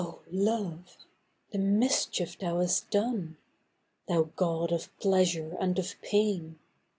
LOVE ! the mischief thou hast done ! Thou god of pleasure and of pain